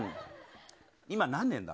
今、何年だ？